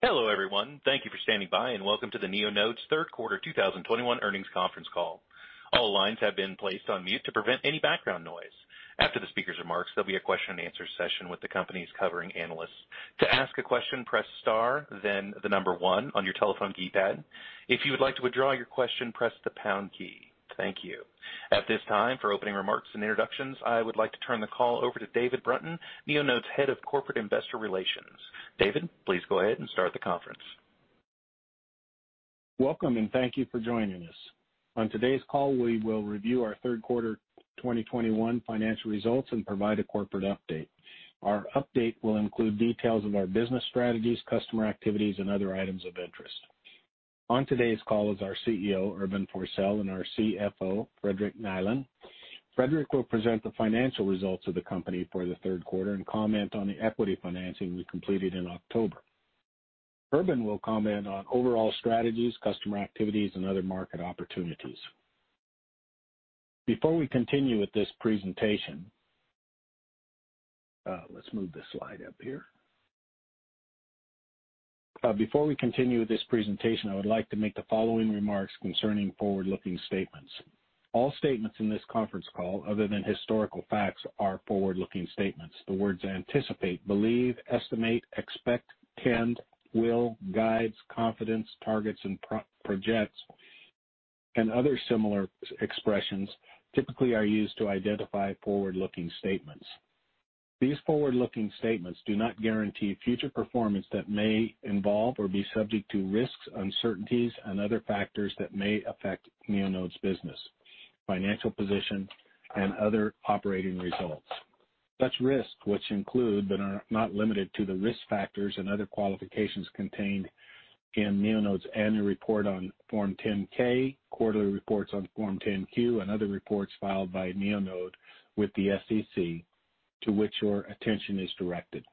Hello, everyone. Thank you for standing by and welcome to the Neonode's Q3 2021 earnings conference call. All lines have been placed on mute to prevent any background noise. After the speaker's remarks, there'll be a question-and-answer session with the company's covering analysts. To ask a question, press star then 1 on your telephone keypad. If you would like to withdraw your question, press the pound key. Thank you. At this time, for opening remarks and introductions, I would like to turn the call over to David Brunton, Neonode's Head of Corporate Investor Relations. David, please go ahead and start the conference. Welcome, and thank you for joining us. On today's call, we will review our Q3 2021 financial results and provide a corporate update. Our update will include details of our business strategies, customer activities, and other items of interest. On today's call is our CEO, Urban Forssell, and our CFO, Fredrik Nihlén. Fredrik will present the financial results of the company for the Q3 and comment on the equity financing we completed in October. Urban will comment on overall strategies, customer activities, and other market opportunities. Before we continue with this presentation, I would like to make the following remarks concerning forward-looking statements. All statements in this conference call other than historical facts are forward-looking statements. The words anticipate, believe, estimate, expect, intend, will, guidance, confidence, targets, and projections, and other similar expressions typically are used to identify forward-looking statements. These forward-looking statements do not guarantee future performance that may involve or be subject to risks, uncertainties, and other factors that may affect Neonode's business, financial position, and other operating results. Such risks, which include, but are not limited to, the risk factors and other qualifications contained in Neonode's annual report on Form 10-K, quarterly reports on Form 10-Q, and other reports filed by Neonode with the SEC, to which your attention is directed.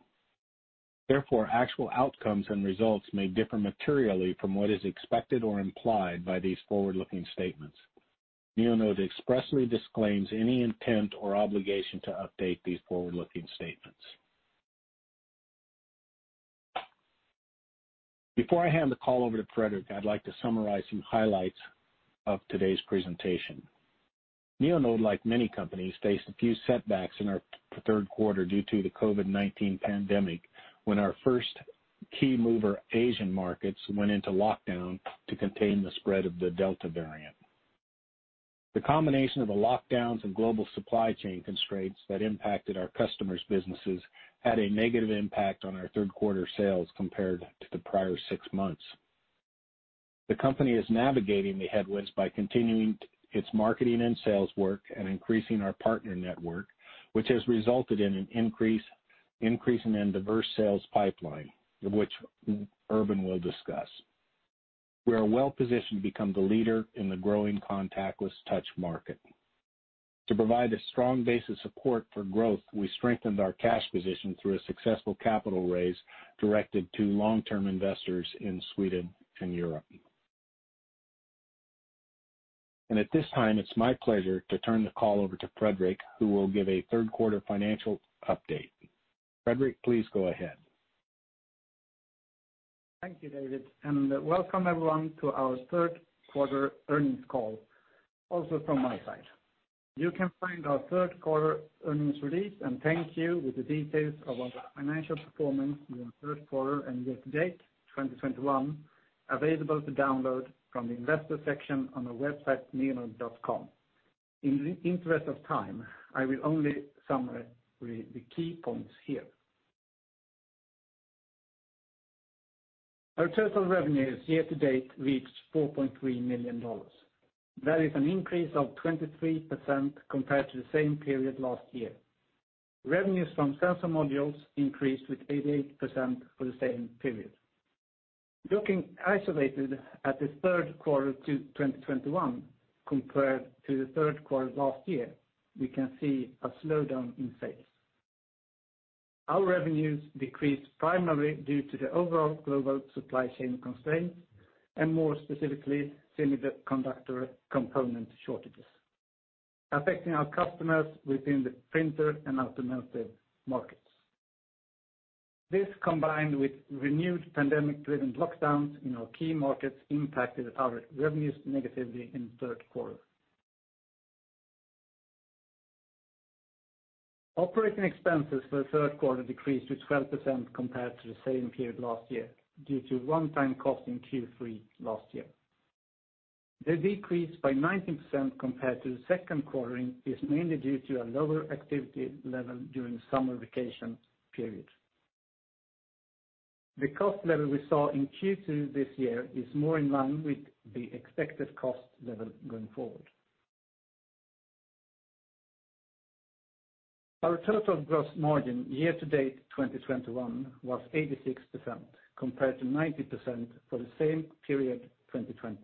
Therefore, actual outcomes and results may differ materially from what is expected or implied by these forward-looking statements. Neonode expressly disclaims any intent or obligation to update these forward-looking statements. Before I hand the call over to Fredrik, I'd like to summarize some highlights of today's presentation. Neonode, like many companies, faced a few setbacks in our Q3 due to the COVID-19 pandemic when our first key mover Asian markets went into lockdown to contain the spread of the Delta variant. The combination of the lockdowns and global supply chain constraints that impacted our customers' businesses had a negative impact on our Q3 sales compared to the prior six months. The company is navigating the headwinds by continuing its marketing and sales work and increasing our partner network, which has resulted in an increase in diverse sales pipeline, which Urban will discuss. We are well-positioned to become the leader in the growing contactless touch market. To provide a strong base of support for growth, we strengthened our cash position through a successful capital raise directed to long-term investors in Sweden and Europe. At this time, it's my pleasure to turn the call over to Fredrik, who will give a Q3 financial update. Fredrik, please go ahead. Thank you, David, and welcome everyone to our Q3 earnings call, also from my side. You can find our Q3 earnings release and the details of our financial performance in the Q3 and year to date 2021, available to download from the investor section on our website, neonode.com. In the interest of time, I will only summarize the key points here. Our total revenues year to date reached $4.3 million. That is an increase of 23% compared to the same period last year. Revenues from sensor modules increased with 88% for the same period. Looking in isolation at the Q3 2021 compared to the Q3 last year, we can see a slowdown in sales. Our revenues decreased primarily due to the overall global supply chain constraints and more specifically, semiconductor component shortages, affecting our customers within the printer and automotive markets. This, combined with renewed pandemic-driven lockdowns in our key markets, impacted our revenues negatively in the Q3. Operating expenses for the Q3 decreased by 12% compared to the same period last year due to one-time costs in Q3 last year. The decrease by 19% compared to the Q2 is mainly due to a lower activity level during summer vacation period. The cost level we saw in Q2 this year is more in line with the expected cost level going forward. Our total gross margin year to date 2021 was 86%, compared to 90% for the same period 2020.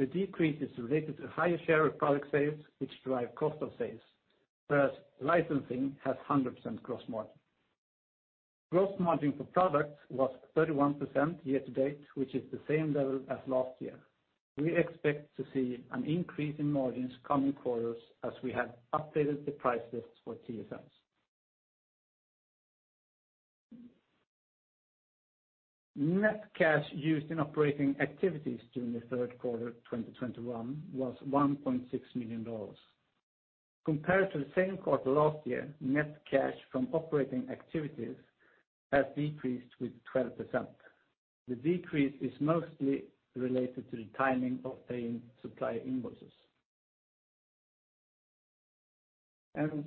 The decrease is related to higher share of product sales which drive cost of sales, whereas licensing has 100% gross margin. Gross margin for products was 31% year to date, which is the same level as last year. We expect to see an increase in margins coming quarters as we have updated the price lists for TSMs. Net cash used in operating activities during the Q3 of 2021 was $1.6 million. Compared to the same quarter last year, net cash from operating activities has decreased with 12%. The decrease is mostly related to the timing of paying supply invoices.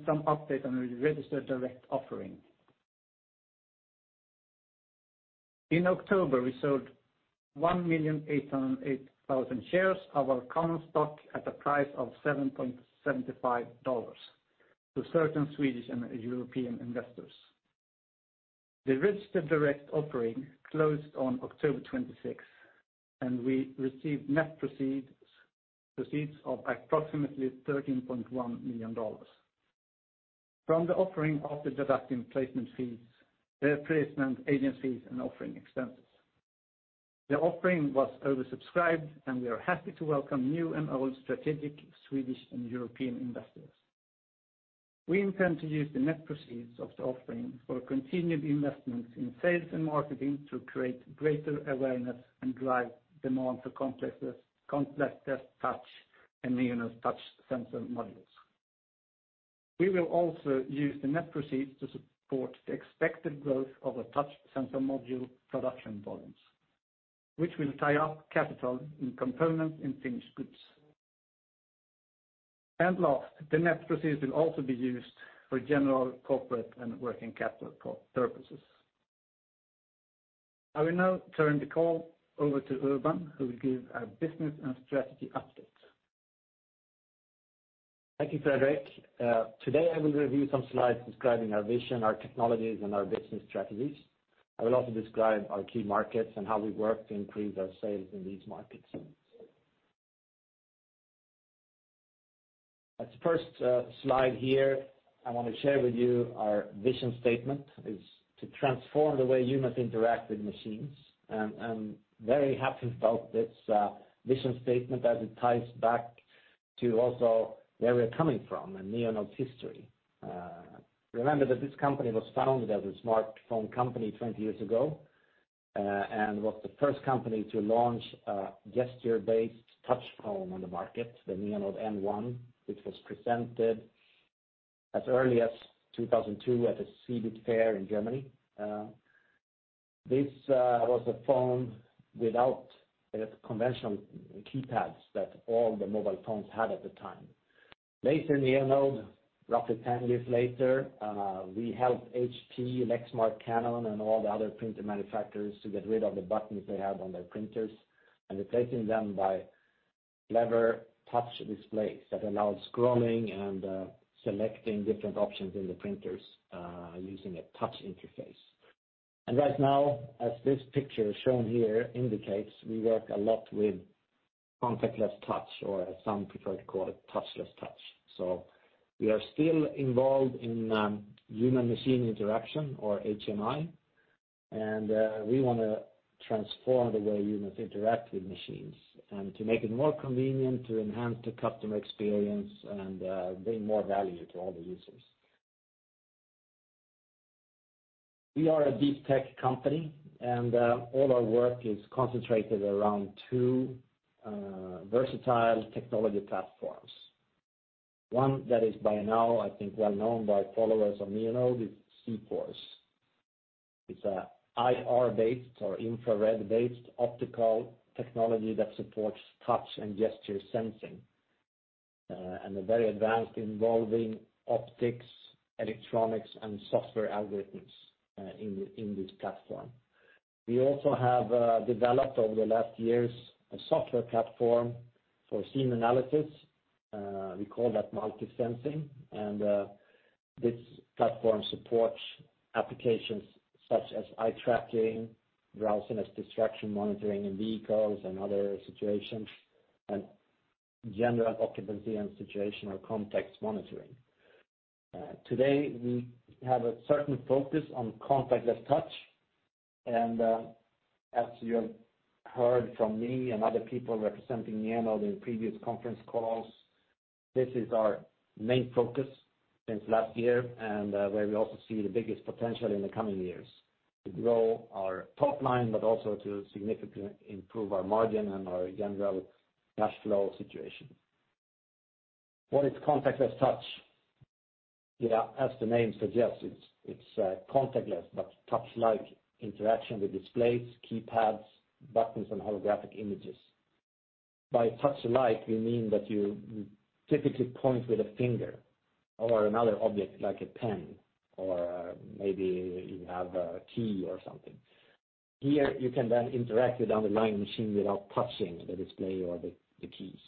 Some update on the registered direct offering. In October, we sold 1,808,000 shares of our common stock at a price of $7.75 to certain Swedish and European investors. The registered direct offering closed on October twenty-sixth, and we received net proceeds of approximately $13.1 million from the offering after deducting placement fees, their placement agent fees and offering expenses. The offering was oversubscribed, and we are happy to welcome new and old strategic Swedish and European investors. We intend to use the net proceeds of the offering for continued investments in sales and marketing to create greater awareness and drive demand for contactless touch and Neonode touch sensor modules. We will also use the net proceeds to support the expected growth of a touch sensor module production volumes, which will tie up capital in component and finished goods. Last, the net proceeds will also be used for general corporate and working capital purposes. I will now turn the call over to Urban, who will give a business and strategy update. Thank you, Fredrik. Today, I will review some slides describing our vision, our technologies, and our business strategies. I will also describe our key markets and how we work to improve our sales in these markets. As the first slide here, I want to share with you our vision statement is to transform the way humans interact with machines. Very happy about this vision statement as it ties back to also where we're coming from in Neonode's history. Remember that this company was founded as a smartphone company 20 years ago and was the first company to launch a gesture-based touch phone on the market, the Neonode N1, which was presented as early as 2002 at the CeBIT fair in Germany. This was a phone without the conventional keypads that all the mobile phones had at the time. Later, Neonode, roughly ten years later, we helped HP, Lexmark, Canon, and all the other printer manufacturers to get rid of the buttons they had on their printers and replacing them by clever touch displays that allowed scrolling and, selecting different options in the printers, using a touch interface. Right now, as this picture shown here indicates, we work a lot with contactless touch, or as some prefer to call it, touchless touch. We are still involved in, human machine interaction or HMI, and we wanna transform the way humans interact with machines and to make it more convenient to enhance the customer experience and, bring more value to all the users. We are a deep tech company, and all our work is concentrated around two, versatile technology platforms. One that is by now, I think, well known by followers of Neonode is zForce. It's a IR-based or infrared-based optical technology that supports touch and gesture sensing, and a very advanced involving optics, electronics, and software algorithms, in this platform. We also have developed over the last years a software platform for scene analysis. We call that MultiSensing, and this platform supports applications such as eye tracking, drowsiness, distraction monitoring in vehicles and other situations, and general occupancy and situational context monitoring. Today, we have a certain focus on contactless touch, and as you have heard from me and other people representing Neonode in previous conference calls, this is our main focus since last year and where we also see the biggest potential in the coming years to grow our top line, but also to significantly improve our margin and our general cash flow situation. What is contactless touch? As the name suggests, it's contactless, but touch-like interaction with displays, keypads, buttons, and holographic images. By touch-like, we mean that you typically point with a finger or another object like a pen, or maybe you have a key or something. Here, you can then interact with the underlying machine without touching the display or the keys.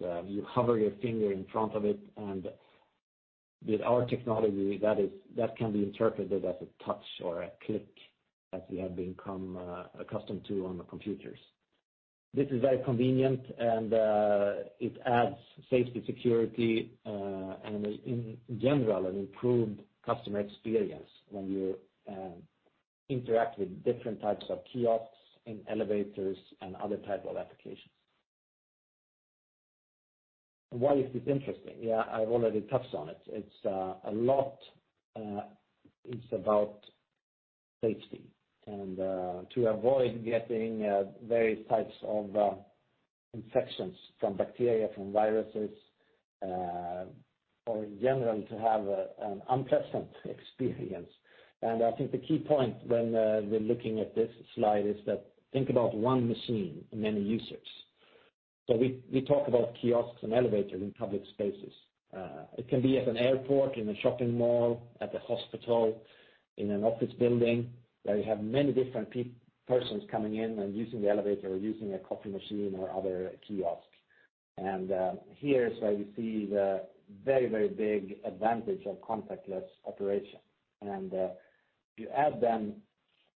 You hover your finger in front of it, and with our technology, that is, that can be interpreted as a touch or a click as we have become accustomed to on the computers. This is very convenient and it adds safety, security, and in general, an improved customer experience when you interact with different types of kiosks in elevators and other type of applications. Why is this interesting? Yeah, I've already touched on it. It's a lot, it's about safety and to avoid getting various types of infections from bacteria, from viruses, or in general, to have an unpleasant experience. I think the key point when we're looking at this slide is, think about one machine and many users. We talk about kiosks and elevators in public spaces. It can be at an airport, in a shopping mall, at the hospital, in an office building, where you have many different persons coming in and using the elevator or using a coffee machine or other kiosk. Here is where you see the very, very big advantage of contactless operation. You add then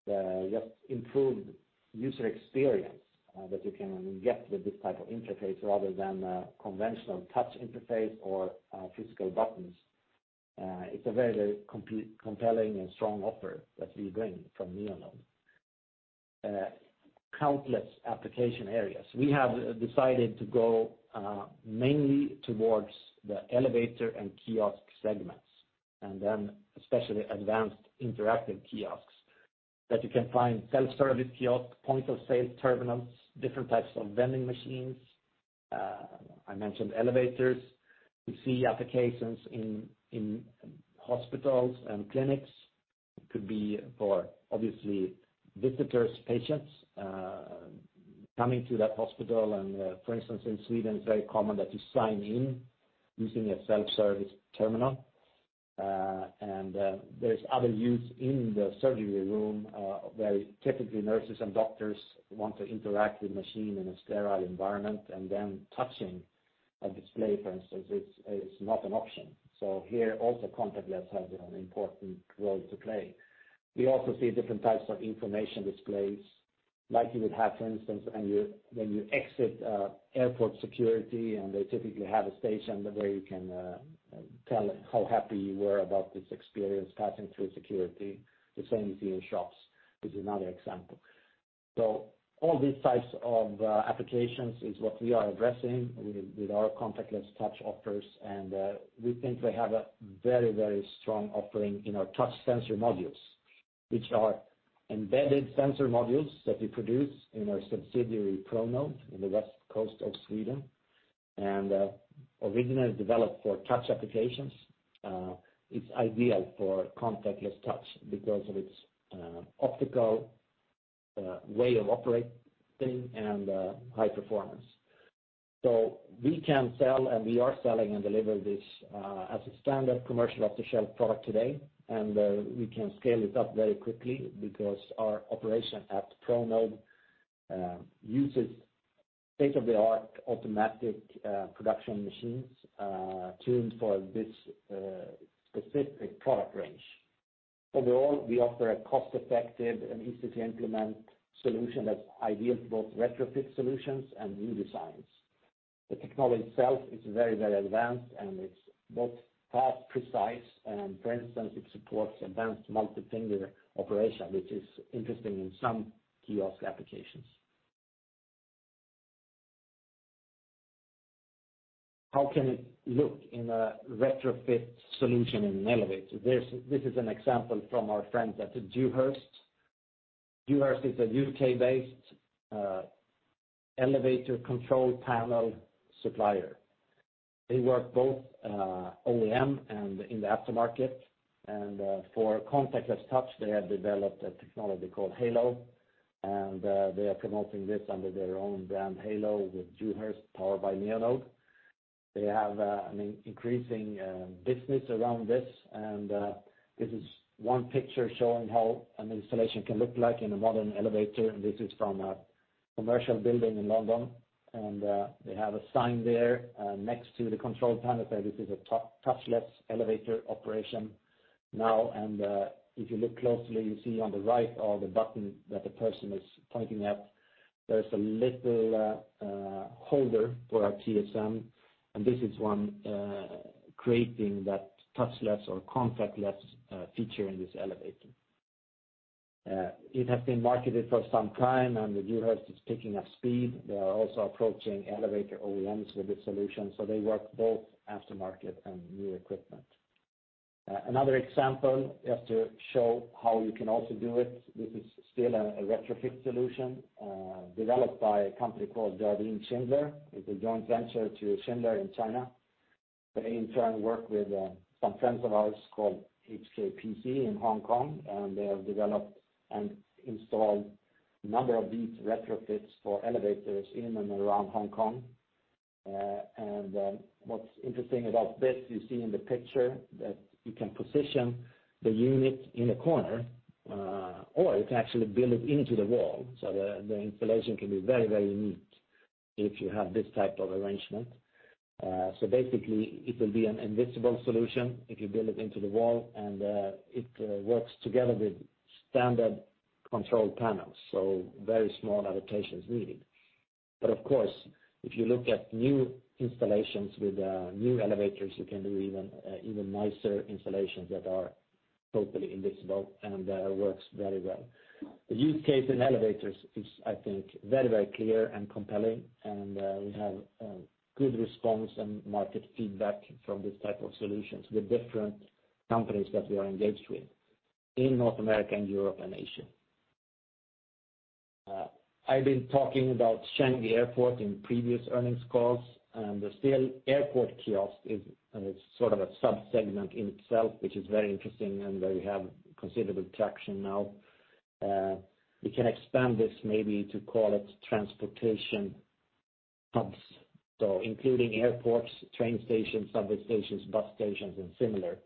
the just improved user experience that you can get with this type of interface rather than a conventional touch interface or physical buttons. It's a very, very compelling and strong offer that we bring from Neonode. Countless application areas. We have decided to go mainly towards the elevator and kiosk segments, and then especially advanced interactive kiosks that you can find self-service kiosk, point of sale terminals, different types of vending machines. I mentioned elevators. We see applications in hospitals and clinics. It could be for obviously visitors, patients, coming to that hospital, and for instance, in Sweden, it's very common that you sign in using a self-service terminal. There's other use in the surgery room, where typically nurses and doctors want to interact with machine in a sterile environment, and then touching a display, for instance, is not an option. Here, also contactless has an important role to play. We also see different types of information displays like you would have, for instance, when you exit airport security, and they typically have a station where you can tell how happy you were about this experience passing through security. The same you see in shops is another example. All these types of applications is what we are addressing with our contactless touch offers, and we think we have a very, very strong offering in our touch sensor modules, which are embedded sensor modules that we produce in our subsidiary, Pronode, in the west coast of Sweden. Originally developed for touch applications, it's ideal for contactless touch because of its optical way of operating and high performance. We can sell, and we are selling and deliver this as a standard commercial off-the-shelf product today, and we can scale it up very quickly because our operation at Pronode uses state-of-the-art automatic production machines tuned for this specific product range. Overall, we offer a cost-effective and easy-to-implement solution that's ideal for both retrofit solutions and new designs. The technology itself is very, very advanced, and it's both fast, precise, and for instance, it supports advanced multi-finger operation, which is interesting in some kiosk applications. How can it look in a retrofit solution in an elevator? This is an example from our friends at Dewhurst. Dewhurst is a U.K.-based elevator control panel supplier. They work both OEM and in the aftermarket. For contactless touch, they have developed a technology called Halo, and they are promoting this under their own brand, Halo, with Dewhurst powered by Neonode. They have an increasing business around this. This is one picture showing how an installation can look like in a modern elevator. This is from a commercial building in London, and they have a sign there next to the control panel saying this is a touchless elevator operation now. If you look closely, you see on the right of the button that the person is pointing at, there's a little holder for our TSM, and this is one creating that touchless or contactless feature in this elevator. It has been marketed for some time, and Dewhurst is picking up speed. They are also approaching elevator OEMs with this solution, so they work both aftermarket and new equipment. Another example just to show how you can also do it, this is still a retrofit solution developed by a company called Jardine Schindler. It's a joint venture to Schindler in China. They in turn work with some friends of ours called HKPC in Hong Kong, and they have developed and installed a number of these retrofits for elevators in and around Hong Kong. What's interesting about this, you see in the picture that you can position the unit in a corner, or you can actually build it into the wall. The installation can be very neat if you have this type of arrangement. Basically, it will be an invisible solution if you build it into the wall, and it works together with standard control panels, so very small adaptations needed. Of course, if you look at new installations with new elevators, you can do even nicer installations that are totally invisible and works very well. The use case in elevators is, I think, very clear and compelling, and we have good response and market feedback from these types of solutions with different companies that we are engaged with in North America and Europe and Asia. I've been talking about Changi Airport in previous earnings calls, and still airport kiosks is, sort of a sub-segment in itself, which is very interesting and where we have considerable traction now. We can expand this maybe to call it transportation hubs, so including airports, train stations, subway stations, bus stations, and similar.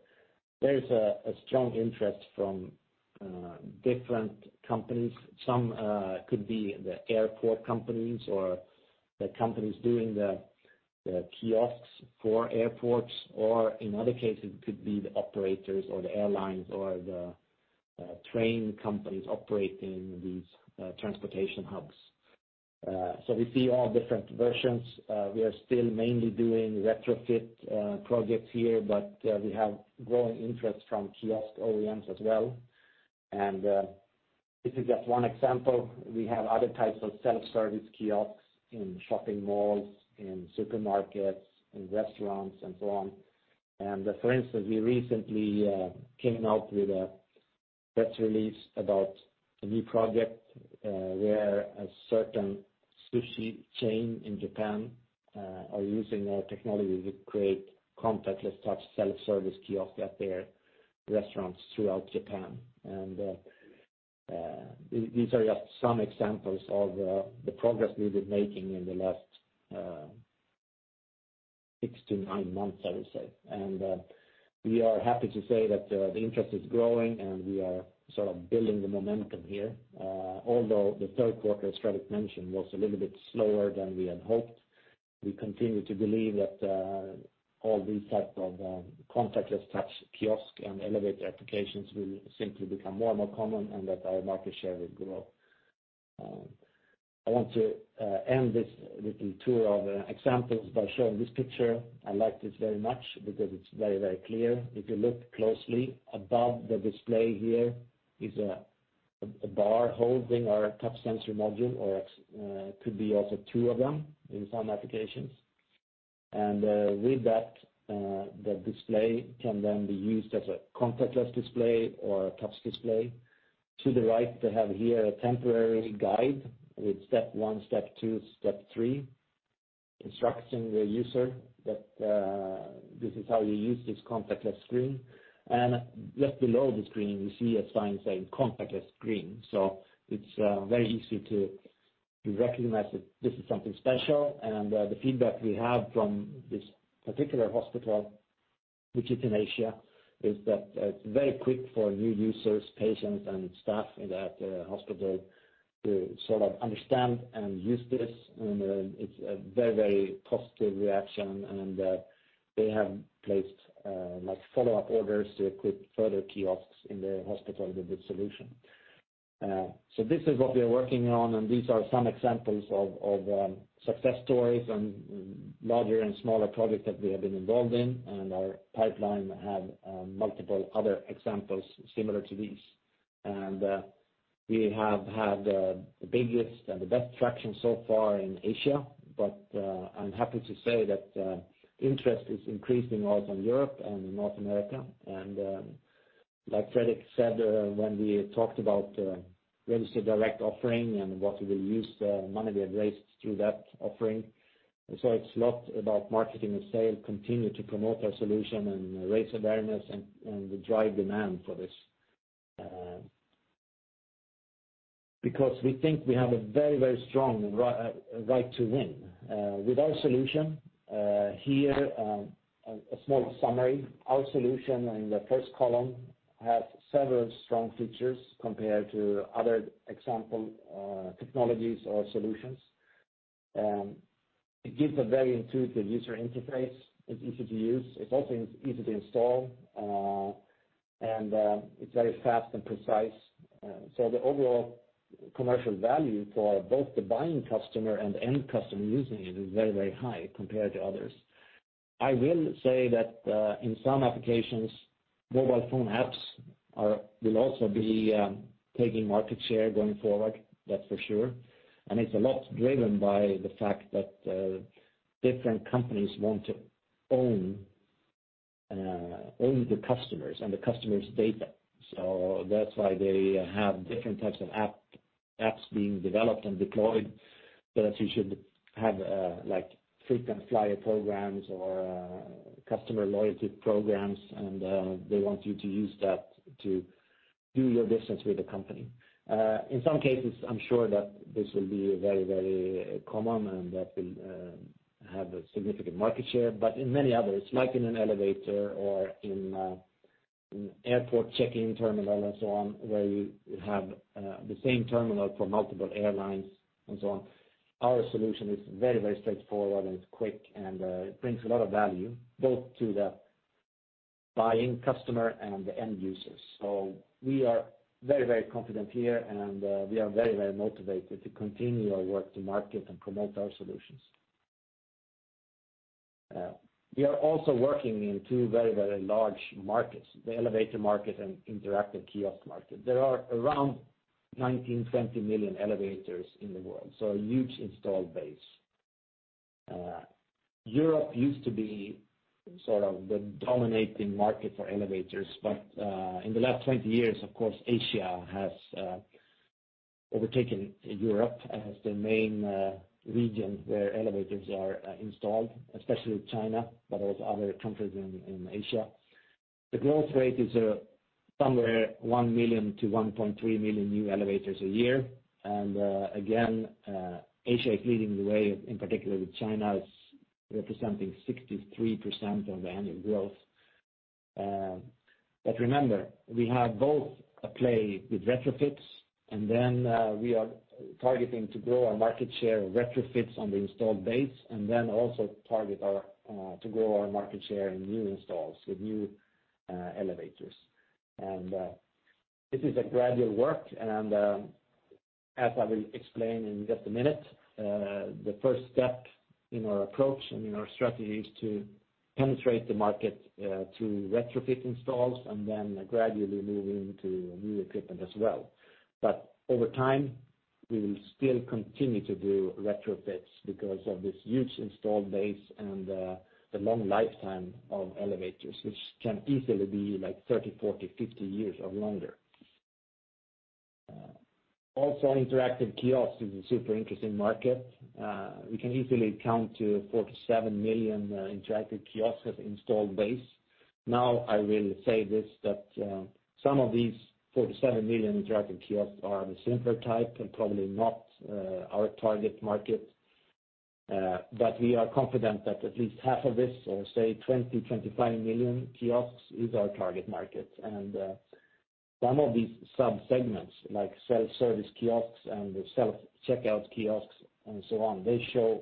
There is a strong interest from different companies. Some could be the airport companies or the companies doing the kiosks for airports, or in other cases it could be the operators or the airlines or the train companies operating these transportation hubs. We see all different versions. We are still mainly doing retrofit projects here, but we have growing interest from kiosk OEMs as well. This is just one example. We have other types of self-service kiosks in shopping malls, in supermarkets, in restaurants, and so on. For instance, we recently came out with a press release about a new project where a certain sushi chain in Japan are using our technology to create contactless touch self-service kiosks at their restaurants throughout Japan. These are just some examples of the progress we've been making in the last 6 to 9 months, I would say. We are happy to say that the interest is growing, and we are sort of building the momentum here. Although the Q3, as Fredrik mentioned, was a little bit slower than we had hoped, we continue to believe that all these type of contactless touch kiosk and elevator applications will simply become more and more common and that our market share will grow. I want to end this little tour of examples by showing this picture. I like this very much because it's very, very clear. If you look closely, above the display here is a bar holding our touch sensor module, or it could be also two of them in some applications. With that, the display can then be used as a contactless display or a touch display. To the right, they have here a temporary guide with step one, step two, step three, instructing the user that this is how you use this contactless screen. Just below the screen, you see a sign saying, "Contactless screen." It's very easy to recognize that this is something special. The feedback we have from this particular hospital, which is in Asia, is that it's very quick for new users, patients and staff in that hospital to sort of understand and use this. It's a very, very positive reaction, and they have placed like follow-up orders to equip further kiosks in the hospital with this solution. This is what we are working on, and these are some examples of success stories and larger and smaller projects that we have been involved in, and our pipeline have multiple other examples similar to these. We have had the biggest and the best traction so far in Asia, but I'm happy to say that interest is increasing also in Europe and in North America. Like Fredrik said, when we talked about registered direct offering and what we will use the money we have raised through that offering, it's a lot about marketing and sales, continue to promote our solution and raise awareness and drive demand for this, because we think we have a very strong right to win. With our solution, here, a small summary. Our solution in the first column has several strong features compared to other example technologies or solutions. It gives a very intuitive user interface. It's easy to use. It's also easy to install, and it's very fast and precise. The overall commercial value for both the buying customer and the end customer using it is very, very high compared to others. I will say that in some applications, mobile phone apps will also be taking market share going forward, that's for sure. It's a lot driven by the fact that different companies want to own the customers and the customers' data. That's why they have different types of apps being developed and deployed that you should have, like frequent flyer programs or customer loyalty programs, and they want you to use that to do your business with the company. In some cases, I'm sure that this will be very, very common and that will have a significant market share. In many others, like in an elevator or in an airport check-in terminal and so on, where you have the same terminal for multiple airlines and so on. Our solution is very, very straightforward, and it's quick, and it brings a lot of value both to the buying customer and the end users. We are very, very confident here, and we are very, very motivated to continue our work to market and promote our solutions. We are also working in two very, very large markets, the elevator market and interactive kiosk market. There are around 19 to 20 million elevators in the world, so a huge installed base. Europe used to be sort of the dominating market for elevators, but in the last 20 years, of course, Asia has overtaken Europe as the main region where elevators are installed, especially China, but also other countries in Asia. The growth rate is somewhere 1 to 1.3 million new elevators a year. Again, Asia is leading the way, in particular with China is representing 63% of the annual growth. But remember, we have both a play with retrofits, and then we are targeting to grow our market share of retrofits on the installed base and then also target our to grow our market share in new installs with new elevators. This is a gradual work, and, as I will explain in just a minute, the first step in our approach and in our strategy is to penetrate the market, through retrofit installs and then gradually move into new equipment as well. Over time, we will still continue to do retrofits because of this huge installed base and, the long lifetime of elevators, which can easily be like 30, 40, 50 years or longer. Also, interactive kiosks is a super interesting market. We can easily count to 47 million, interactive kiosks as installed base. Now, I will say this, that, some of these 47 million interactive kiosks are the simpler type and probably not, our target market. But we are confident that at least half of this or say 20 to 25 million kiosks is our target market. Some of these subsegments, like self-service kiosks and the self-checkout kiosks and so on, they show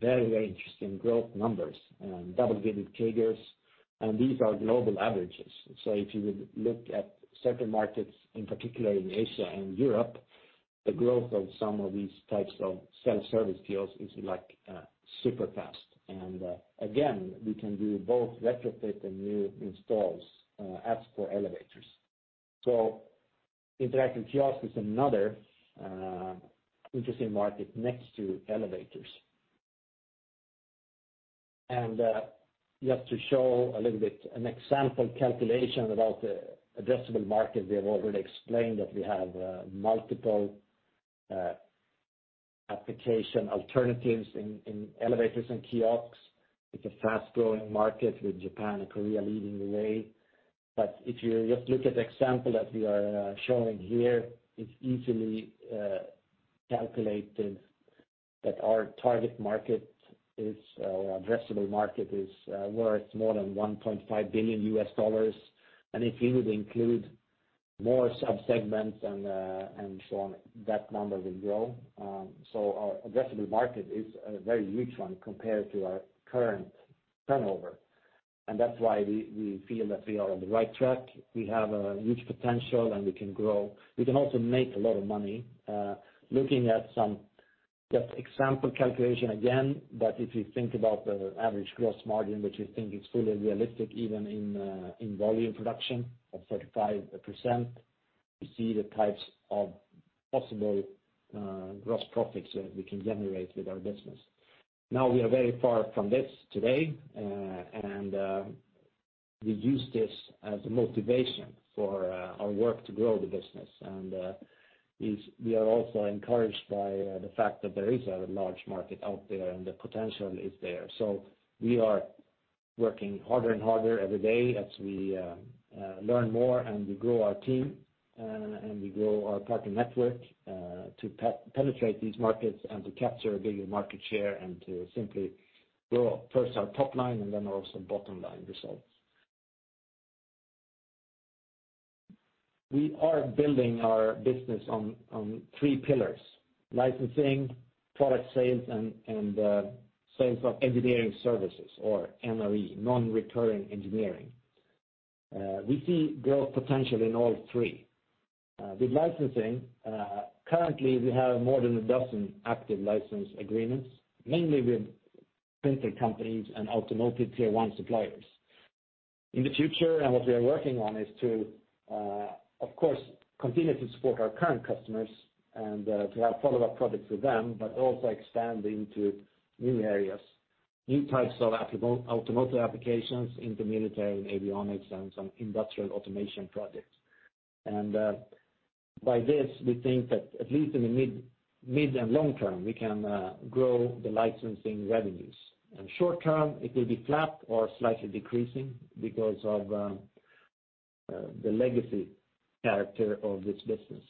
very, very interesting growth numbers and double-digit figures, and these are global averages. If you would look at certain markets, in particular in Asia and Europe, the growth of some of these types of self-service kiosks is like super-fast. Again, we can do both retrofit and new installs as for elevators. Interactive kiosk is another interesting market next to elevators. Just to show a little bit an example calculation about the addressable market, we have already explained that we have multiple application alternatives in elevators and kiosks. It's a fast-growing market with Japan and Korea leading the way. If you just look at the example that we are showing here, it's easily calculated that our target market is or addressable market is worth more than $1.5 billion. If you would include more subsegments and so on, that number will grow. Our addressable market is a very huge one compared to our current turnover. That's why we feel that we are on the right track. We have a huge potential, and we can grow. We can also make a lot of money. Looking at just some example calculation again, but if you think about the average gross margin, which we think is fully realistic, even in volume production of 35%, you see the types of possible gross profits that we can generate with our business. Now, we are very far from this today, and we use this as a motivation for our work to grow the business. We are also encouraged by the fact that there is a large market out there and the potential is there. We are working harder and harder every day as we learn more and we grow our team and we grow our partner network to penetrate these markets and to capture a bigger market share and to simply grow first our top line and then also bottom-line results. We are building our business on three pillars, licensing, product sales, and sales of engineering services or NRE, non-recurring engineering. We see growth potential in all three. With licensing, currently we have more than a dozen active license agreements, mainly with printer companies and automotive tier one suppliers. In the future, and what we are working on is to of course continue to support our current customers and to have follow-up products with them, but also expand into new areas, new types of automotive applications into military and avionics and some industrial automation projects. By this, we think that at least in the mid and long term, we can grow the licensing revenues. In short term, it will be flat or slightly decreasing because of the legacy character of this business.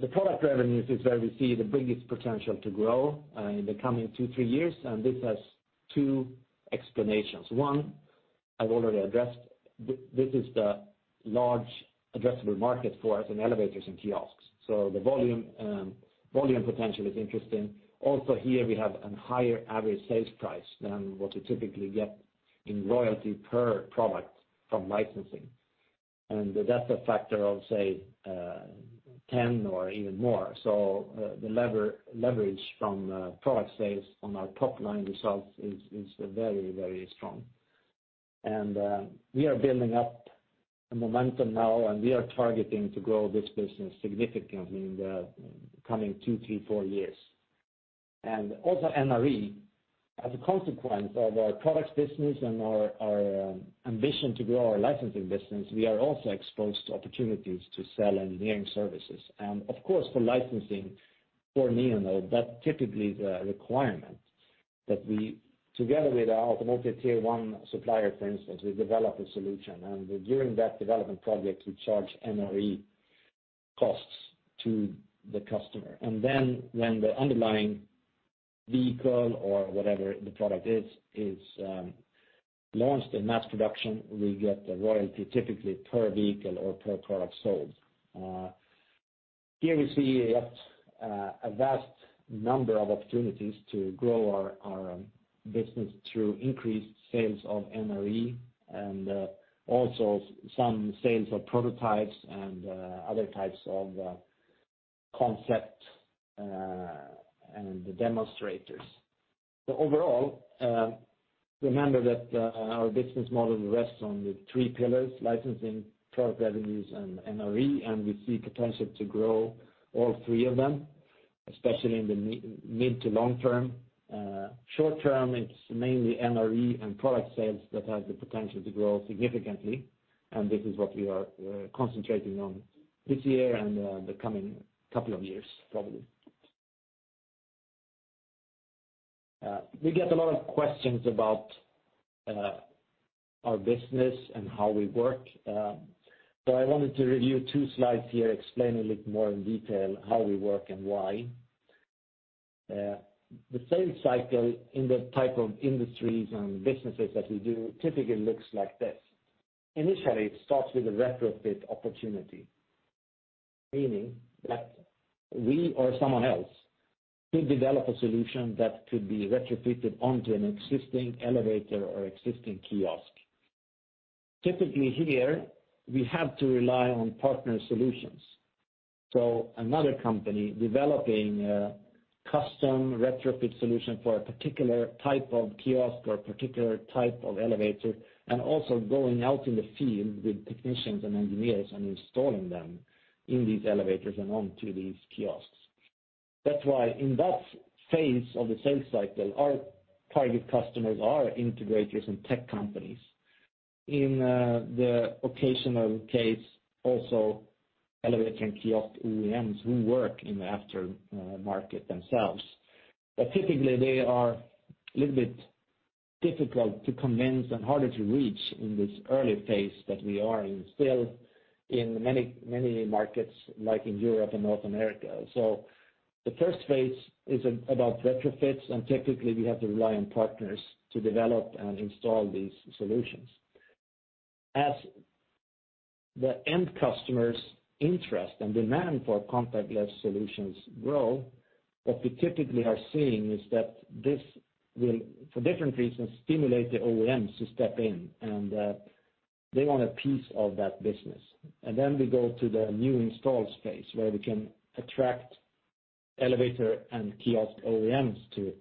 The product revenues is where we see the biggest potential to grow in the coming two, three years, and this has two explanations. One, I've already addressed. This is the large addressable market for us in elevators and kiosks. The volume potential is interesting. Also here, we have a higher average sales price than what we typically get in royalty per product from licensing. That's a factor of, say, 10 or even more. The leverage from product sales on our top line results is very, very strong. We are building up a momentum now, and we are targeting to grow this business significantly in the coming 2, 3, 4 years. Also, NRE, as a consequence of our products business and our ambition to grow our licensing business, we are also exposed to opportunities to sell engineering services. Of course, for licensing for Neonode, that's typically the requirement that we, together with our automotive tier one supplier, for instance, we develop a solution, and during that development project, we charge NRE costs to the customer. When the underlying vehicle or whatever the product is launched in mass production, we get a royalty typically per vehicle or per product sold. Here we see a vast number of opportunities to grow our business through increased sales of NRE and also some sales of prototypes and other types of concept and demonstrators. Overall, remember that our business model rests on the three pillars, licensing, product revenues, and NRE, and we see potential to grow all three of them, especially in the mid to long term. Short term, it's mainly NRE and product sales that has the potential to grow significantly, and this is what we are concentrating on this year and the coming couple of years, probably. We get a lot of questions about our business and how we work. I wanted to review two slides here, explain a little more in detail how we work and why. The sales cycle in the type of industries and businesses that we do typically looks like this. Initially, it starts with a retrofit opportunity, meaning that we or someone else could develop a solution that could be retrofitted onto an existing elevator or existing kiosk. Typically, here, we have to rely on partner solutions, so another company developing a custom retrofit solution for a particular type of kiosk or a particular type of elevator and also going out in the field with technicians and engineers and installing them in these elevators and onto these kiosks. That's why in that phase of the sales cycle, our target customers are integrators and tech companies. In the occasional case, also elevator and kiosk OEMs who work in the aftermarket themselves. Typically, they are a little bit difficult to convince and harder to reach in this early phase that we are in still in many, many markets like in Europe and North America. The first phase is about retrofits, and typically we have to rely on partners to develop and install these solutions. As the end customer's interest and demand for contactless solutions grow, what we typically are seeing is that this will, for different reasons, stimulate the OEMs to step in, and they want a piece of that business. We go to the new install space where we can attract elevator and kiosk OEMs to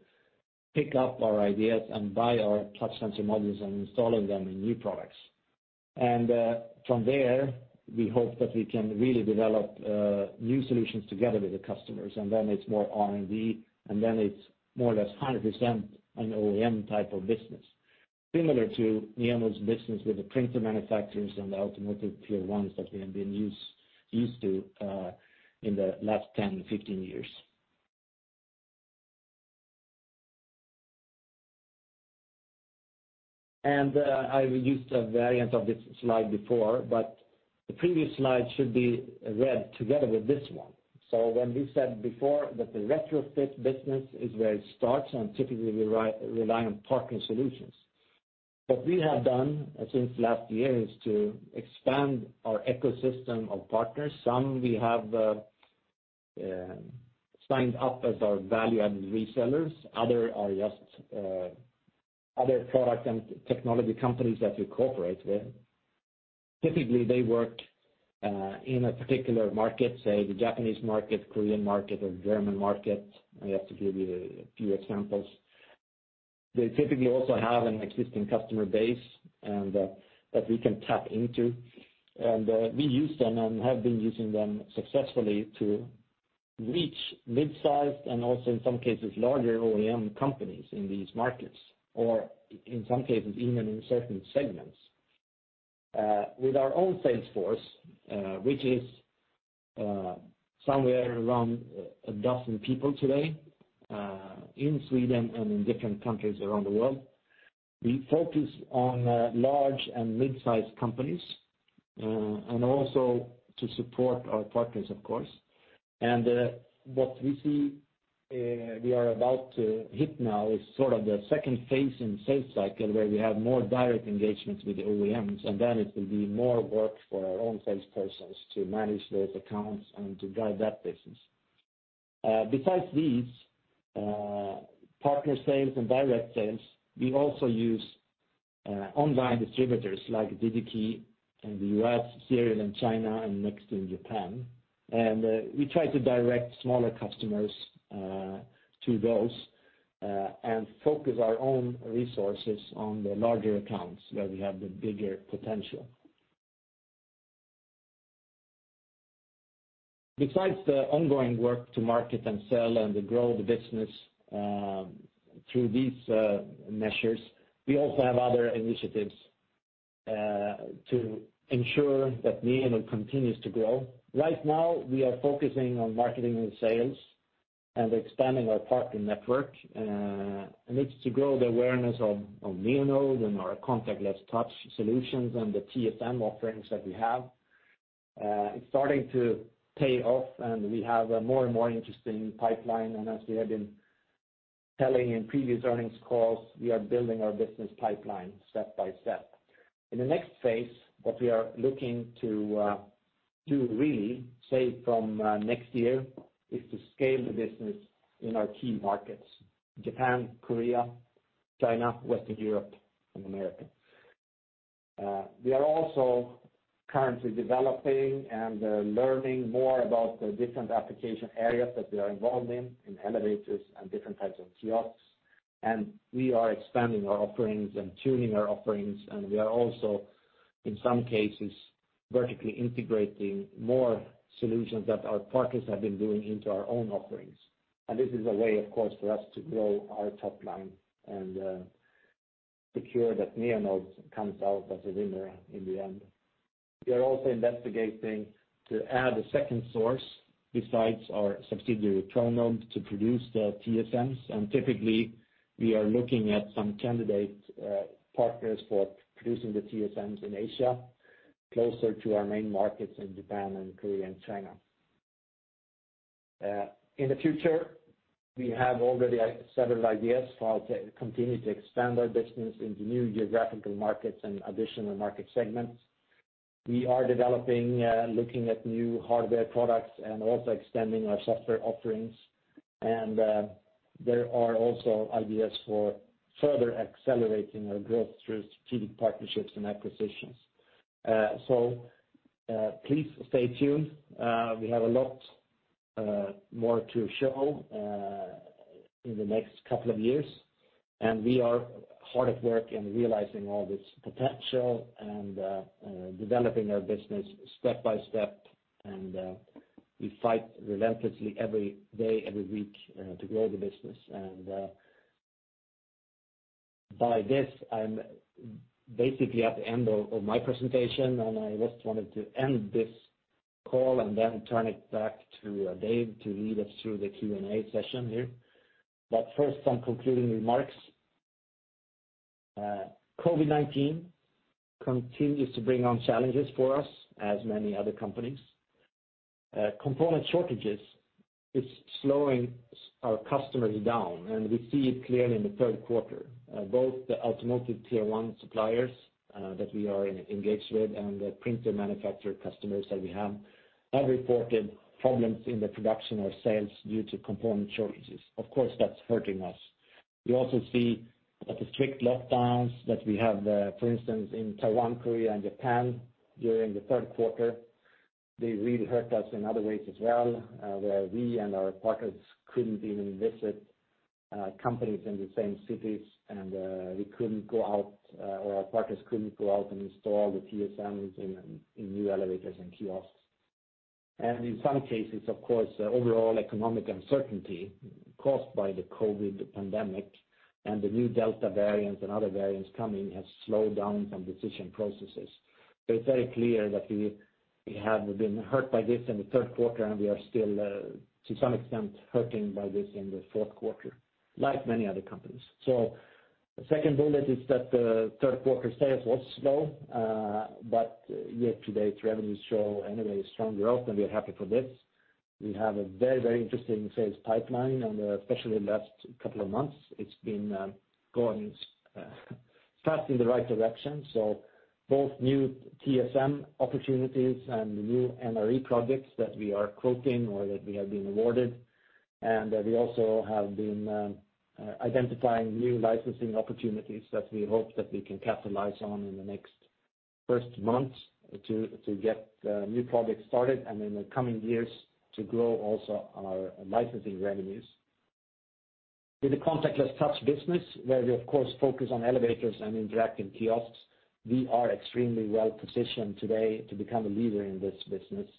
pick up our ideas and buy our touch sensor modules and installing them in new products. From there, we hope that we can really develop new solutions together with the customers, and then it's more R&D, and then it's more or less 100% an OEM type of business, similar to Neonode's business with the printer manufacturers and the automotive tier ones that we have been used to in the last 10, 15 years. I reduced a variant of this slide before, but the previous slide should be read together with this one. When we said before that the retrofit business is where it starts and typically rely on partner solutions. What we have done since last year is to expand our ecosystem of partners. Some we have signed up as our value-added resellers. Other are just other product and technology companies that we cooperate with. Typically, they work in a particular market, say the Japanese market, Korean market, or German market. I have to give you a few examples. They typically also have an existing customer base and that we can tap into. We use them and have been using them successfully to reach mid-sized and also in some cases, larger OEM companies in these markets, or in some cases, even in certain segments. With our own sales force, which is somewhere around a dozen people today, in Sweden and in different countries around the world. We focus on large and mid-size companies and also to support our partners, of course. What we see, we are about to hit now is sort of the second phase in sales cycle where we have more direct engagements with the OEMs, and then it will be more work for our own salespersons to manage those accounts and to drive that business. Besides these, partner sales and direct sales, we also use online distributors like DigiKey in the U.S., China, and NEXTY in Japan. We try to direct smaller customers to those and focus our own resources on the larger accounts where we have the bigger potential. Besides the ongoing work to market and sell and to grow the business through these measures, we also have other initiatives to ensure that Neonode continues to grow. Right now, we are focusing on marketing and sales and expanding our partner network, and it's to grow the awareness of Neonode and our contactless touch solutions and the TSM offerings that we have. It's starting to pay off, and we have a more and more interesting pipeline. As we have been telling in previous earnings calls, we are building our business pipeline step by step. In the next phase, what we are looking to really scale from next year is to scale the business in our key markets, Japan, Korea, China, Western Europe, and America. We are also currently developing and learning more about the different application areas that we are involved in elevators and different types of kiosks. We are expanding our offerings and tuning our offerings, and we are also, in some cases, vertically integrating more solutions that our partners have been doing into our own offerings. This is a way, of course, for us to grow our top line and secure that Neonode comes out as a winner in the end. We are also investigating to add a second source besides our subsidiary, Pronode, to produce the TSMs. Typically, we are looking at some candidate partners for producing the TSMs in Asia, closer to our main markets in Japan and Korea and China. In the future, we have already several ideas for how to continue to expand our business into new geographical markets and additional market segments. We are developing, looking at new hardware products and also extending our software offerings. There are also ideas for further accelerating our growth through strategic partnerships and acquisitions. Please stay tuned. We have a lot more to show in the next couple of years, and we are hard at work in realizing all this potential and developing our business step by step. We fight relentlessly every day, every week to grow the business. By this, I'm basically at the end of my presentation, and I just wanted to end this call and then turn it back to David to lead us through the Q&A session here. First, some concluding remarks. COVID-19 continues to bring on challenges for us as many other companies. Component shortages is slowing our customers down, and we see it clearly in the Q3. Both the automotive tier one suppliers that we are engaged with and the printer manufacturer customers that we have reported problems in the production or sales due to component shortages. Of course, that's hurting us. We also see that the strict lockdowns that we have, for instance, in Taiwan, Korea, and Japan during the Q3, they really hurt us in other ways as well, where we and our partners couldn't even visit companies in the same cities, and we couldn't go out, or our partners couldn't go out and install the TSMs in new elevators and kiosks. In some cases, of course, overall economic uncertainty caused by the COVID pandemic and the new Delta variants and other variants coming have slowed down some decision processes. It's very clear that we have been hurt by this in the Q3, and we are still, to some extent, hurting by this in the Q4, like many other companies. The second bullet is that the Q3 sales was slow, but year-to-date revenues show anyway strong growth, and we are happy for this. We have a very, very interesting sales pipeline, and especially in the last couple of months, it's been going fast in the right direction, both new TSM opportunities and new NRE projects that we are quoting or that we have been awarded. We also have been identifying new licensing opportunities that we hope that we can capitalize on in the next few months to get new projects started and in the coming years to grow also our licensing revenues. With the contactless touch business, where we of course focus on elevators and interactive kiosks, we are extremely well-positioned today to become a leader in this business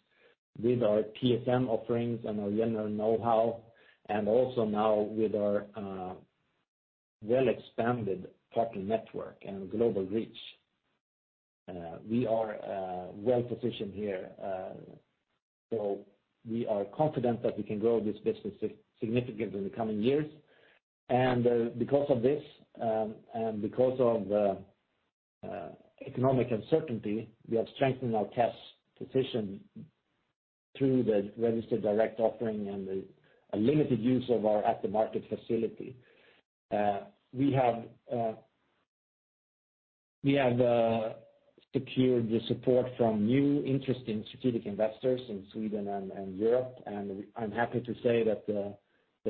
with our TSM offerings and our general know-how, and also now with our well expanded partner network and global reach. We are well-positioned here. We are confident that we can grow this business significantly in the coming years. Because of this, and because of economic uncertainty, we have strengthened our cash position through the registered direct offering and the limited use of our at-the-market facility. We have secured the support from new interesting strategic investors in Sweden and Europe. I'm happy to say that the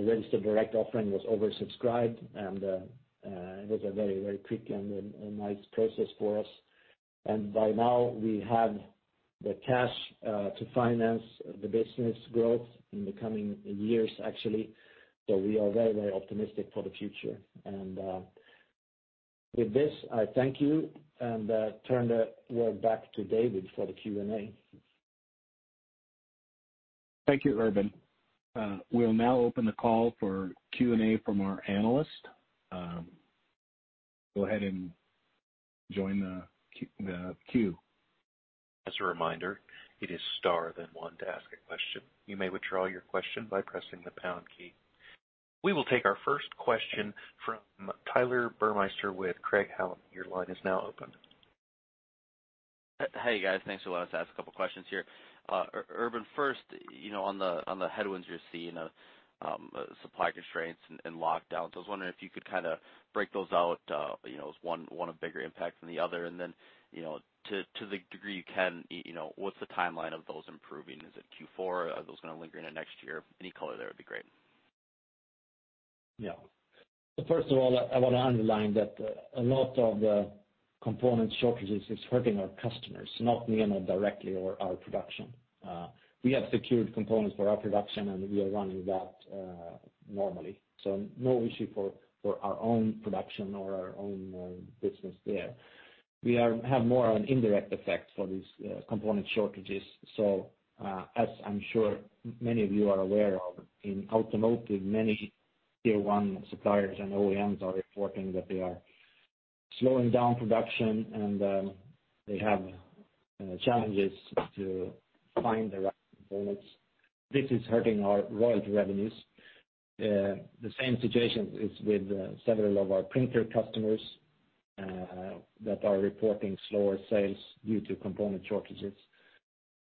registered direct offering was oversubscribed, and it was a very quick and nice process for us. By now we have the cash to finance the business growth in the coming years, actually. We are very, very optimistic for the future. With this, I thank you, and turn the floor back to David for the Q&A. Thank you, Urban. We'll now open the call for Q&A from our analysts. Go ahead and join the queue. As a reminder, it is star then one to ask a question. You may withdraw your question by pressing the pound key. We will take our first question from Tyler Burmeister with Craig-Hallum. Your line is now open. Hey, guys. Thanks for letting us ask a couple questions here. Urban, first, you know, on the headwinds you're seeing, supply constraints and lockdowns, I was wondering if you could kind of break those out, you know, is one a bigger impact than the other? You know, to the degree you can, you know, what's the timeline of those improving? Is it Q4? Are those going to linger into next year? Any color there would be great. Yeah. First of all, I want to underline that a lot of the component shortages is hurting our customers, not me or directly or our production. We have secured components for our production, and we are running that normally. No issue for our own production or our own business there. We are have more of an indirect effect for these component shortages. As I'm sure many of you are aware of, in automotive, many tier one suppliers and OEMs are reporting that they are slowing down production, and they have challenges to find the right components. This is hurting our royalty revenues. The same situation is with several of our printer customers that are reporting slower sales due to component shortages.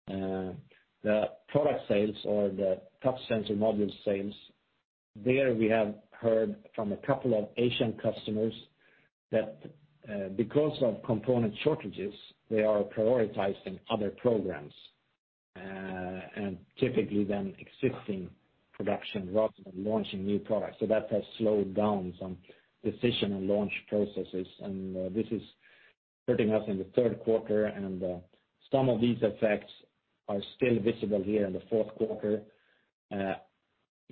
The product sales or the touch sensor module sales, there we have heard from a couple of Asian customers that, because of component shortages, they are prioritizing other programs, and typically then existing production rather than launching new products. That has slowed down some decision and launch processes, and this is hurting us in the Q3. Some of these effects are still visible here in the Q4.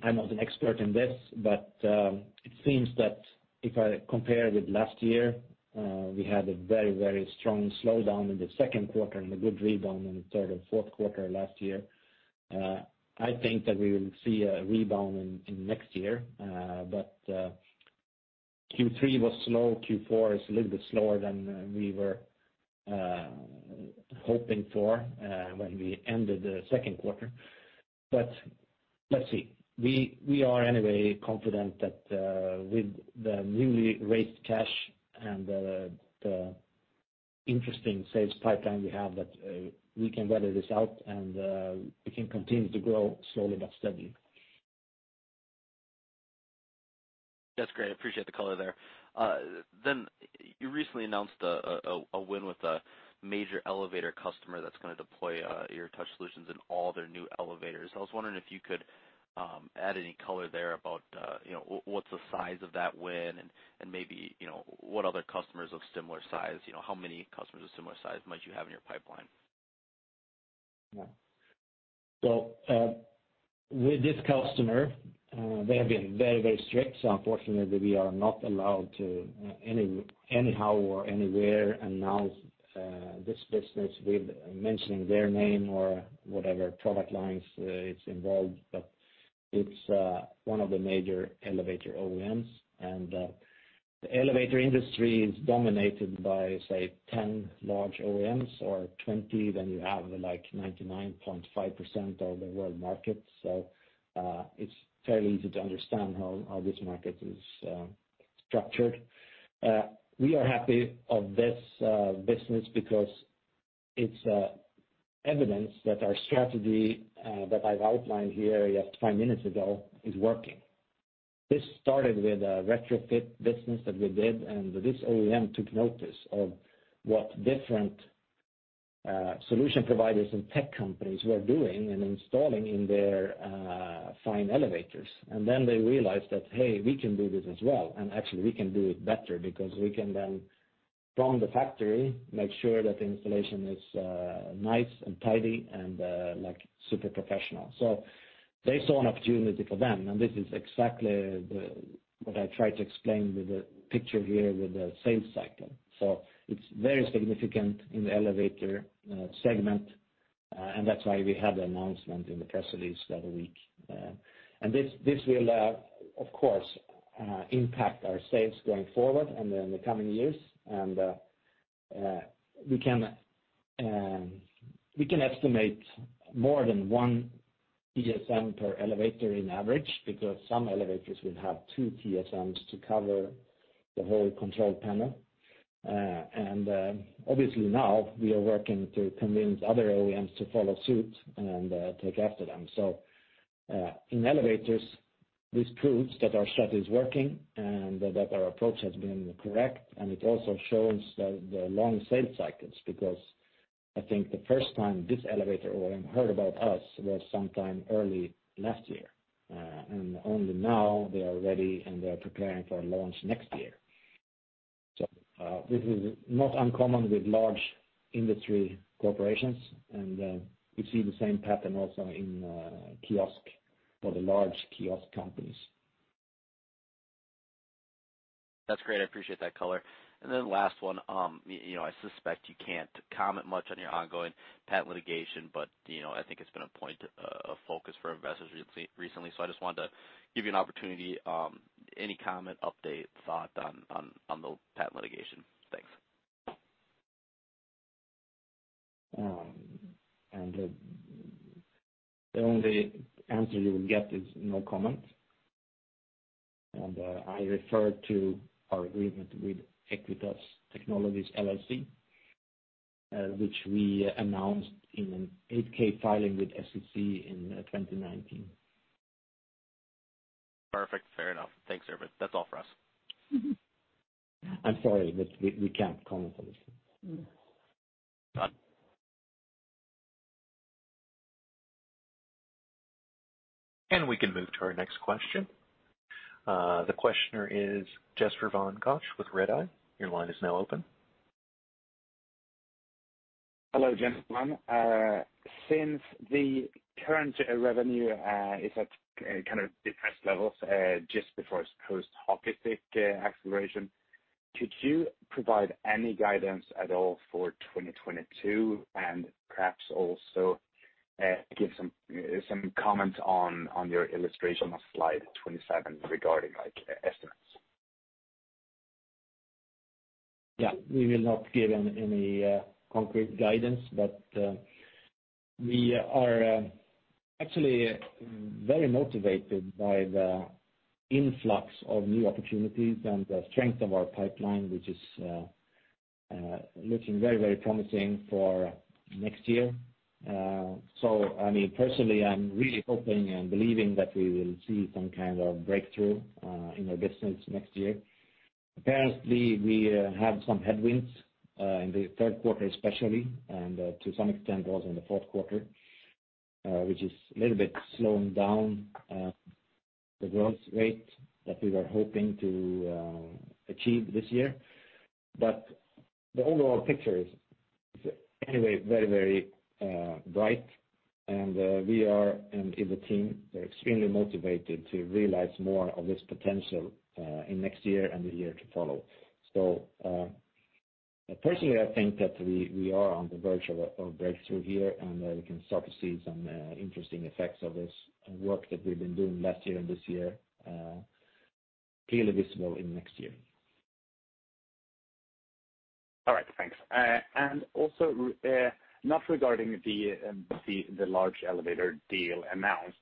I'm not an expert in this, but it seems that if I compare with last year, we had a very, very strong slowdown in the Q2 and a good rebound in the third and Q4 last year. I think that we will see a rebound in next year. Q3 was slow. Q4 is a little bit slower than we were hoping for when we ended the Q2. Let's see. We are anyway confident that with the newly raised cash and the interesting sales pipeline we have that we can weather this out, and we can continue to grow slowly but steadily. That's great. I appreciate the color there. You recently announced a win with a major elevator customer that's going to deploy your touch solutions in all their new elevators. I was wondering if you could add any color there about, you know, what's the size of that win and maybe, you know, what other customers of similar size, you know, how many customers of similar size might you have in your pipeline? Yeah. With this customer, they have been very, very strict. Unfortunately, we are not allowed to anyhow or anywhere announce this business with mentioning their name or whatever product lines it's involved. It's one of the major elevator OEMs. The elevator industry is dominated by, say, 10 large OEMs or 20, then you have like 99.5% of the world market. It's fairly easy to understand how this market is structured. We are happy of this business because it's evidence that our strategy that I've outlined here just 5 minutes ago is working. This started with a retrofit business that we did, and this OEM took notice of what different solution providers and tech companies were doing and installing in their fine elevators. Then they realized that, hey, we can do this as well, and actually, we can do it better because we can then, from the factory, make sure that the installation is nice and tidy and like super professional. They saw an opportunity for them, and this is exactly what I tried to explain with the picture here with the sales cycle. It's very significant in the elevator segment. That's why we had the announcement in the press release the other week. This will, of course, impact our sales going forward and in the coming years. We can estimate more than one TSM per elevator on average because some elevators will have two TSMs to cover the whole control panel. Obviously now we are working to convince other OEMs to follow suit and take after them. In elevators, this proves that our strategy is working and that our approach has been correct, and it also shows the long sales cycles, because I think the first time this elevator OEM heard about us was sometime early last year. Only now they are ready and they are preparing for a launch next year. This is not uncommon with large industry corporations, and we see the same pattern also in kiosk for the large kiosk companies. That's great. I appreciate that color. Last one, you know, I suspect you can't comment much on your ongoing patent litigation, but, you know, I think it's been a point of focus for investors recently. I just wanted to give you an opportunity, any comment, update, thought on the patent litigation. Thanks. The only answer you will get is no comment. I refer to our agreement with Aequitas Technologies LLC, which we announced in an 8-K filing with SEC in 2019. Perfect. Fair enough. Thanks, Urban Forssell. That's all for us. I'm sorry, but we can't comment on this. Got it. We can move to our next question. The questioner is Jesper von Koch with Redeye. Your line is now open. Hello, gentlemen. Since the current revenue is at kind of depressed levels just before it post hockey stick acceleration, could you provide any guidance at all for 2022? Perhaps also give some comment on your illustration on slide 27 regarding like estimates. Yeah. We will not give any concrete guidance, but we are actually very motivated by the influx of new opportunities and the strength of our pipeline, which is looking very, very promising for next year. I mean, personally, I'm really hoping and believing that we will see some kind of breakthrough in our business next year. Apparently, we have some headwinds in the Q3 especially, and to some extent, also in the Q4, which is a little bit slowing down the growth rate that we were hoping to achieve this year. The overall picture is anyway very, very bright and we are, and the team are extremely motivated to realize more of this potential in next year and the year to follow. Personally, I think that we are on the verge of a breakthrough here, and we can start to see some interesting effects of this work that we've been doing last year and this year, clearly visible in next year. All right. Thanks. Not regarding the large elevator deal announced,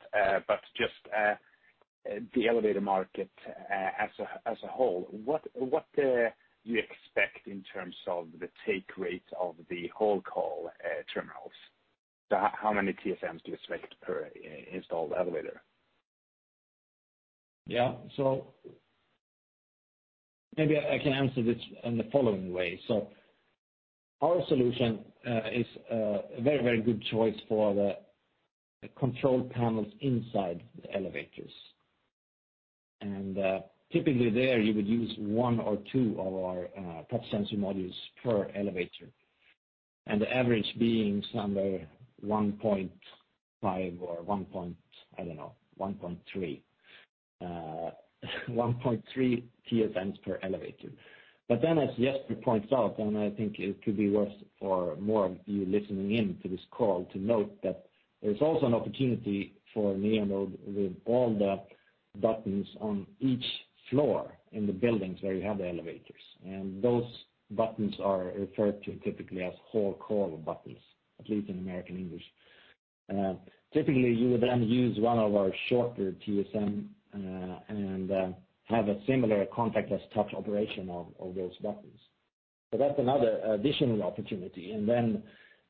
but just the elevator market as a whole, what you expect in terms of the take rate of the hall call terminals? How many TSMs do you expect per installed elevator? Yeah. Maybe I can answer this in the following way. Our solution is a very, very good choice for the control panels inside the elevators. Typically, there you would use 1 or 2 of our touch sensor modules per elevator, and the average being somewhere 1.5 or, I don't know, 1.3 TSMs per elevator. As Jesper points out, and I think it could be worth for more of you listening in to this call to note that there's also an opportunity for Neonode with all the buttons on each floor in the buildings where you have the elevators. Those buttons are referred to typically as hall call buttons, at least in American English. Typically, you would then use one of our shorter TSM and have a similar contactless touch operation of those buttons. That's another additional opportunity.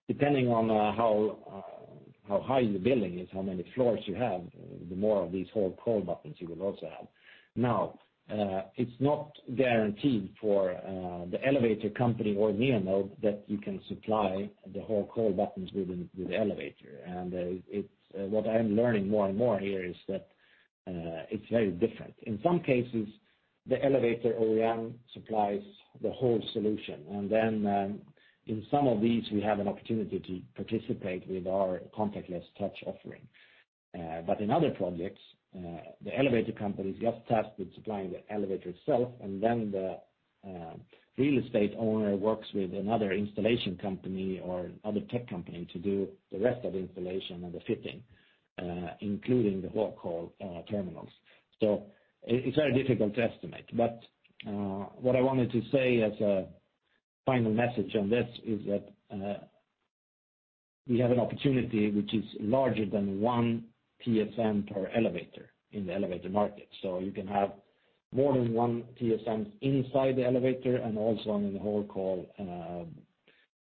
Depending on how high the building is, how many floors you have, the more of these hall call buttons you will also have. Now, it's not guaranteed for the elevator company or Neonode that you can supply the hall call buttons with the elevator. What I'm learning more and more here is that it's very different. In some cases, the elevator OEM supplies the whole solution, and then, in some of these, we have an opportunity to participate with our contactless touch offering. In other projects, the elevator companies just tasked with supplying the elevator itself, and then the real estate owner works with another installation company or other tech company to do the rest of installation and the fitting, including the hall call terminals. It's very difficult to estimate, what I wanted to say as a final message on this is that, we have an opportunity which is larger than one TSM per elevator in the elevator market. You can have more than one TSM inside the elevator and also on the hall call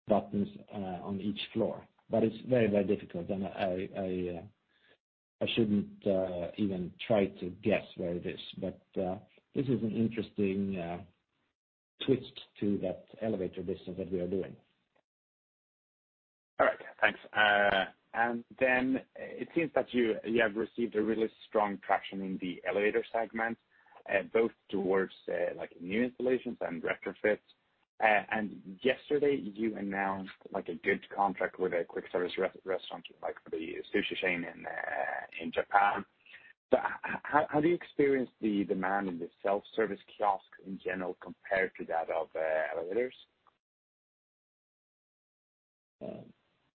buttons on each floor. It's very, very difficult, and I shouldn't even try to guess where it is. This is an interesting twist to that elevator business that we are doing. All right. Thanks. It seems that you have received really strong traction in the elevator segment, both toward like new installations and retrofits. Yesterday you announced like a good contract with a quick service restaurant, like the sushi chain in Japan. How do you experience the demand in the self-service kiosk in general compared to that of elevators?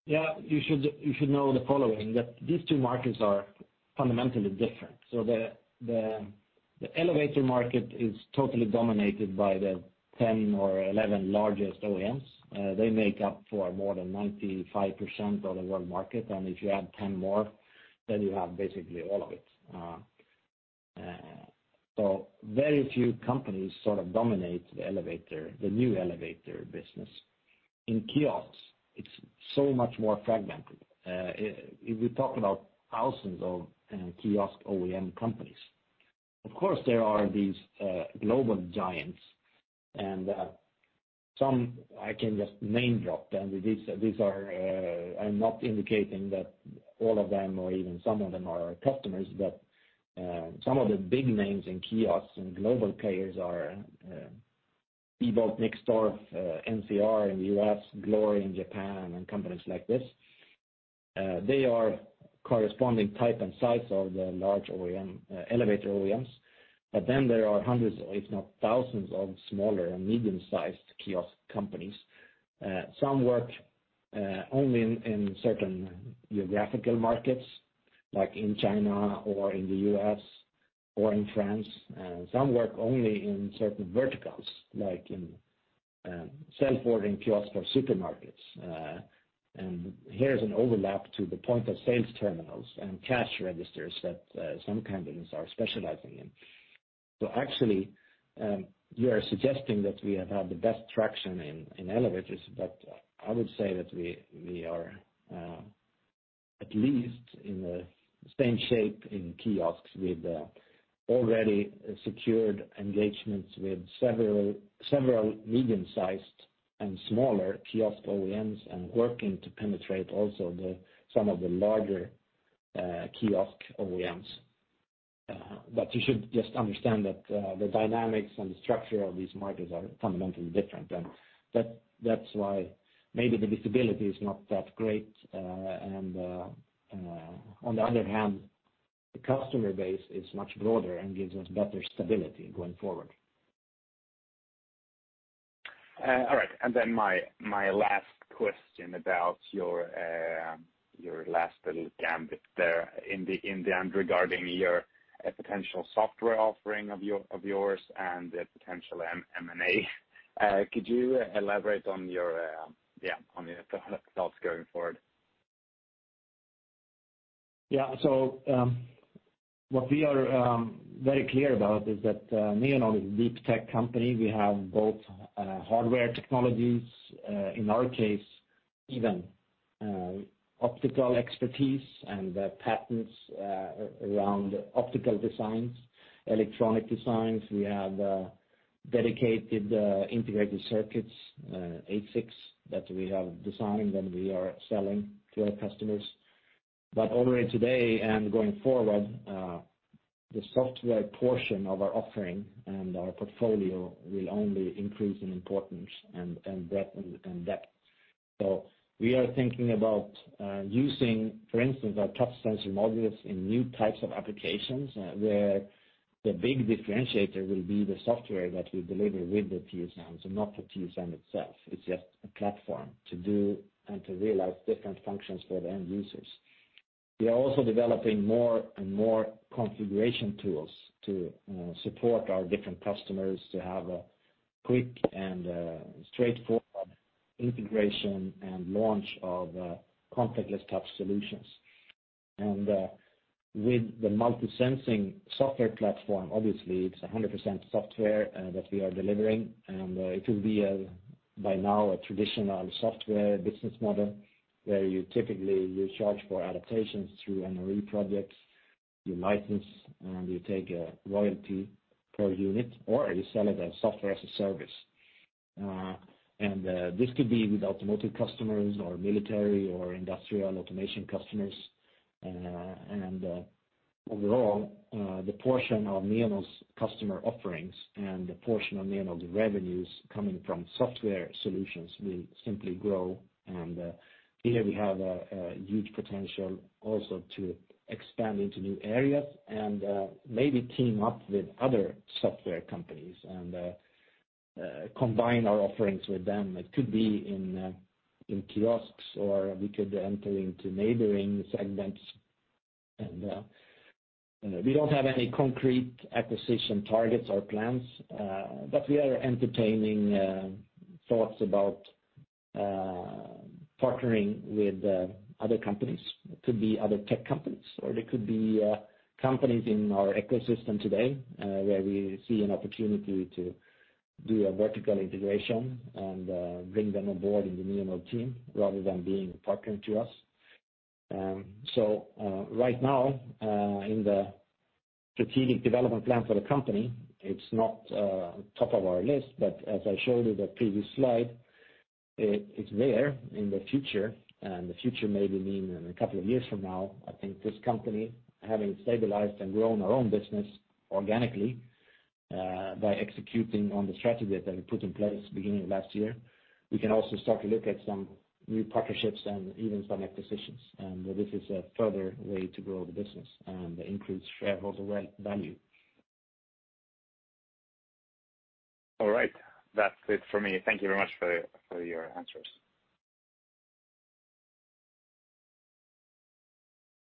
Yeah, you should know the following, that these two markets are fundamentally different. The elevator market is totally dominated by the 10 or 11 largest OEMs. They make up for more than 95% of the world market. If you add 10 more, then you have basically all of it. Very few companies sort of dominate the elevator, the new elevator business. In kiosks, it's so much more fragmented. We talk about thousands of kiosk OEM companies. Of course, there are these global giants and some I can just name drop. These are. I'm not indicating that all of them or even some of them are our customers, but some of the big names in kiosks and global players are Diebold Nixdorf, NCR in the U.S., Glory in Japan, and companies like this. They are corresponding type and size of the large OEM elevator OEMs. There are hundreds, if not thousands, of smaller and medium-sized kiosk companies. Some work only in certain geographical markets, like in China or in the U.S. or in France. Some work only in certain verticals, like in self-ordering kiosks for supermarkets. Here's an overlap to the point of sales terminals and cash registers that some companies are specializing in. Actually, you are suggesting that we have had the best traction in elevators. I would say that we are at least in the same shape in kiosks with already secured engagements with several medium-sized and smaller kiosk OEMs and working to penetrate also some of the larger kiosk OEMs. You should just understand that the dynamics and the structure of these markets are fundamentally different, and that's why maybe the visibility is not that great. On the other hand, the customer base is much broader and gives us better stability going forward. All right. My last question about your last little gambit there in the end regarding your potential software offering of yours and the potential M&A. Could you elaborate on your thoughts going forward? Yeah. What we are very clear about is that Neonode is a deep tech company. We have both hardware technologies, in our case, even optical expertise and patents around optical designs, electronic designs. We have dedicated integrated circuits, ASICs, that we have designed and we are selling to our customers. Already today and going forward, the software portion of our offering and our portfolio will only increase in importance and breadth and depth. We are thinking about using, for instance, our touch sensor modules in new types of applications, where the big differentiator will be the software that we deliver with the TSM, so not the TSM itself. It's just a platform to do and to realize different functions for the end users. We are also developing more and more configuration tools to support our different customers to have a quick and straightforward integration and launch of contactless touch solutions. With the MultiSensing software platform, obviously it's 100% software that we are delivering, and it will be by now a traditional software business model where you typically charge for adaptations through NRE projects, you license, and you take a royalty per unit, or you sell it as software as a service. This could be with automotive customers or military or industrial automation customers. Overall, the portion of Neonode's customer offerings and the portion of Neonode's revenues coming from software solutions will simply grow. Here we have a huge potential also to expand into new areas and maybe team up with other software companies and combine our offerings with them. It could be in kiosks, or we could enter into neighboring segments. We don't have any concrete acquisition targets or plans, but we are entertaining thoughts about partnering with other companies. It could be other tech companies or they could be companies in our ecosystem today, where we see an opportunity to do a vertical integration and bring them on board in the Neonode team rather than being a partner to us. So, right now, in the strategic development plan for the company, it's not top of our list, but as I showed you the previous slide, it's there in the future, and the future may mean in a couple of years from now. I think this company, having stabilized and grown our own business organically, by executing on the strategy that we put in place beginning of last year, we can also start to look at some new partnerships and even some acquisitions. This is a further way to grow the business and increase shareholder value. All right. That's it for me. Thank you very much for your answers.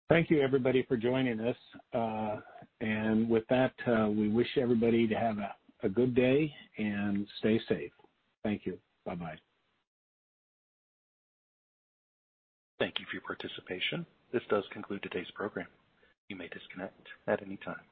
Thank you, everybody, for joining us. With that, we wish everybody to have a good day and stay safe. Thank you. Bye-bye. Thank you for your participation. This does conclude today's program. You may disconnect at any time.